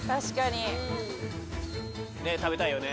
食べたいよね。